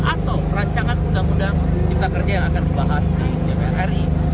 atau rancangan undang undang cipta kerja yang akan dibahas di dpr ri